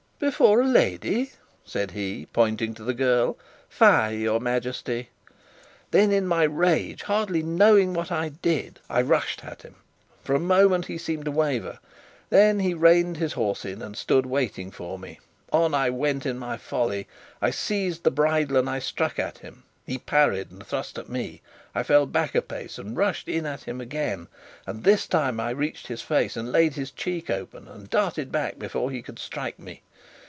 "Before a lady!" said he, pointing to the girl. "Fie, your Majesty!" Then in my rage, hardly knowing what I did, I rushed at him. For a moment he seemed to waver. Then he reined his horse in and stood waiting for me. On I went in my folly. I seized the bridle and I struck at him. He parried and thrust at me. I fell back a pace and rushed at him again; and this time I reached his face and laid his cheek open, and darted back almost before he could strike me.